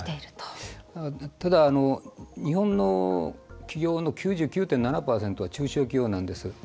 ただ、日本の企業の９９．７％は中小企業なんです。